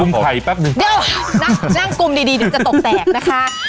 นั่งกุมดีเดี๋ยวจะตกแตกนะคะ